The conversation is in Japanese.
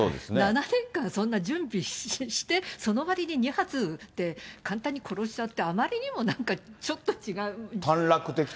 ７年間、そんな準備して、そのわりに２発撃って簡単に殺しちゃうって、あまりにもなんか、ちょっと違う。